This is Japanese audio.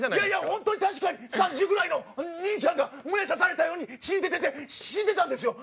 本当に確か３０ぐらいの兄ちゃんが胸刺されたように血出てて死んでたんですよ！